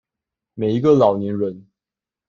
每一個老年人